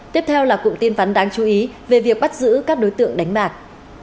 tiếp theo là cụm tin phán đáng chú ý về việc bắt giữ các đối tượng đánh bạc